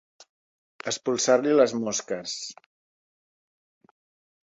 Espolsar-li les mosques.